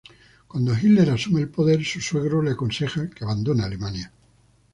Cuando Hitler asume el poder, su suegro le aconseja que abandone Alemania.